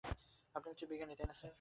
আপনি একজন বিজ্ঞানী, তাই না স্যার?